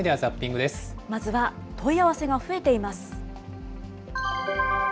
まずは問い合わせが増えています。